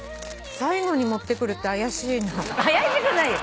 最後に持ってくるって怪しいな。